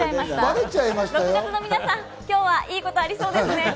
６月の皆さん、今日はいいことありそうですね。